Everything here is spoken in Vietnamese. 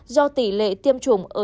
do tỷ lệ tiêm chủng ở